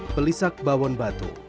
pelisak bawon batu